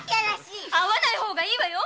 会わない方がいいわよ